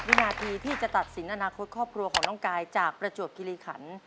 วินาทีที่จะตัดสินอนาคตครอบครัวของน้องกายจากประจวบคิริขัน